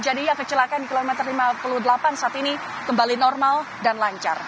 jadi ya kecelakaan di kilometer lima puluh delapan saat ini kembali normal dan lancar